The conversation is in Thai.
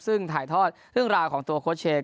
ซึ่งถ่ายทอดเรื่องราวของตัวโค้ชเชย์